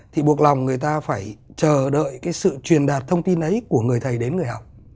thì buộc lòng người ta phải chờ đợi cái sự truyền đạt thông tin ấy của người thầy đến người học